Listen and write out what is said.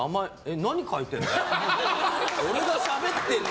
何書いてんの？